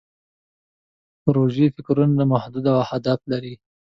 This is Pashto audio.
پروژوي فکرونه محدود اهداف لري.